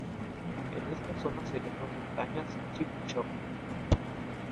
En esta zona se llama montañas Chic-Choc.